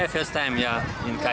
ya pertama kali